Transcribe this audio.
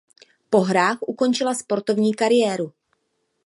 Po hrách ukončila sportovní kariéru.